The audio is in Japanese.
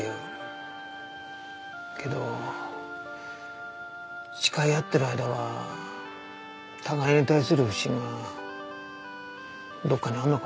けど誓い合ってる間は互いに対する不信がどこかにあるのかもしれない。